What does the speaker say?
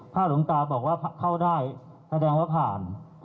ถ้าหลวงตาบอกว่าเข้าได้แสดงว่าผ่าน